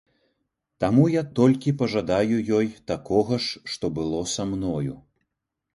Таму я толькі пажадаю ёй такога ж, што было са мною.